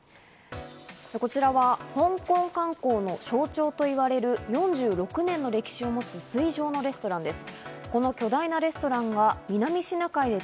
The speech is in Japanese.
こちらは香港観光の象徴といわれる、４６年の歴史を持つ水上のレストランです。